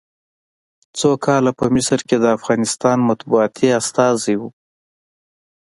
څو کاله په مصر کې د افغانستان مطبوعاتي استازی و.